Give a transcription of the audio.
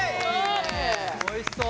おいしそう！